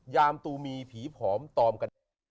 ยามตูมีผีผอมตอมกัน